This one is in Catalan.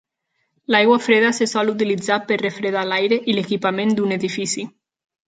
L'aigua freda es sol utilitzar per refredar l'aire i l'equipament d'un edifici.